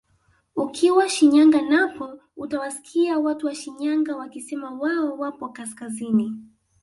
Ukiwa Shinyanga napo utawasikia watu wa Shinyanga wakisema wao wapo kaskazini